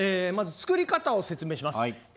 まず作り方を説明します。